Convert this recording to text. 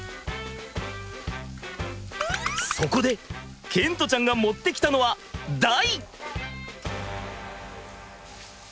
そこで賢澄ちゃんが持ってきたのは台！